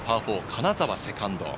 金澤、セカンド。